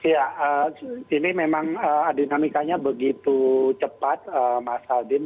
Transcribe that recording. ya ini memang dinamikanya begitu cepat mas aldin